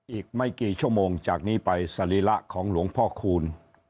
อีกไม่กี่ชั่วโมงจากนี้ไปสรีระของหลวงพ่อคูณ